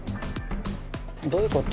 どういう事？